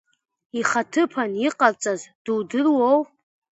Ихаҭыԥан иҟарҵаз дудыруоу?